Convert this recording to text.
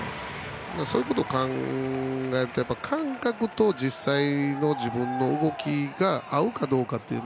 そういうことを考えるとやっぱり感覚と実際の自分の動きが合うかどうか。